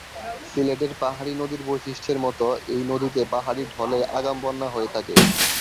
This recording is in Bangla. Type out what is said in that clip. সিলেটের পাহাড়ি নদীর বৈশিষ্ট্যের মতো এই নদীতে পাহাড়ি ঢলে আগাম বন্যা হয়ে থাকে।